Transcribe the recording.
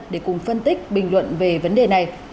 để cùng phân tích bình luận về vấn đề này